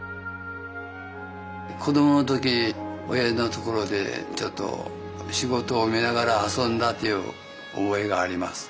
子どもの時おやじのところでちょっと仕事を見ながら遊んだという覚えがあります。